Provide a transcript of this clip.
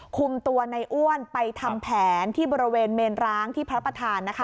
คุมตัวในอ้วนไปทำแผนที่บริเวณเมนร้างที่พระประธานนะคะ